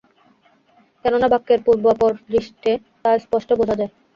কেননা, বাক্যের পূর্বাপর দৃষ্টে তা স্পষ্ট বোঝা যায়।